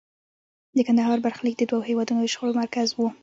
د کندهار برخلیک د دوو هېوادونو د شخړو مرکز و.